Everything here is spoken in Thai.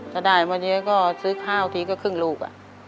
ถ้าได้มาเยอะก็ซื้อข้าวทีก็ครึ่งลูก